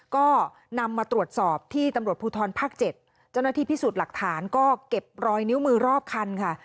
ก็นำมาตรวจสอบที่ตำรวจภูทรภาค๗เจ้าหน้าที่พิสูจน์หลักฐานก็เก็บรอยนิ้วมือรอบคันค่ะ